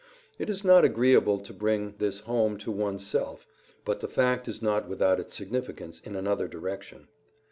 It is not agreeable to bring this home to one's self, but the fact is not without its significance in another direction.